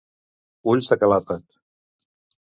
Ulls de calàpet.